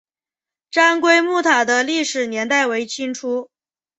澹归墓塔的历史年代为清初。